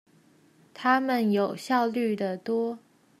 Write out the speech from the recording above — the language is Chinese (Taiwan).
他們有效率的多